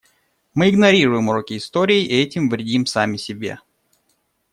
Мы игнорируем уроки истории и этим вредим сами себе.